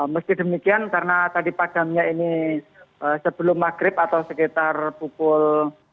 meski demikian karena tadi padamnya ini sebelum maghrib atau sekitar pukul tujuh belas tiga puluh